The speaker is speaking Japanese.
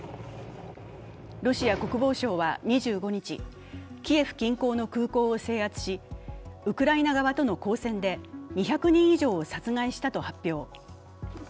ロシア国防省は２５日、キエフ近郊の空港を制圧しウクライナ側との交戦で２００人以上を殺害したと発表。